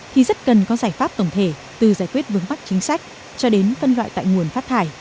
thì rất cần có giải pháp tổng thể từ giải quyết vướng bắc chính sách cho đến phân loại tại nguồn phát thải